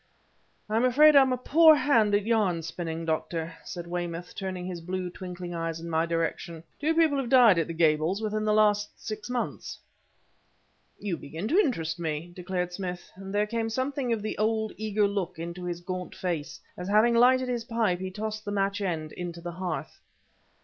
"I'm afraid I'm a poor hand at yarn spinning, Doctor," said Weymouth, turning his blue, twinkling eyes in my direction. "Two people have died at the Gables within the last six months." "You begin to interest me," declared Smith, and there came something of the old, eager look into his gaunt face, as, having lighted his pipe, he tossed the match end into the hearth.